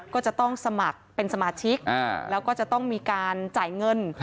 ก็จะต้องสมัครเป็นสมาชิกแล้วก็จะต้องมีการจ่ายเงิน